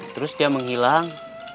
terus dia menghilang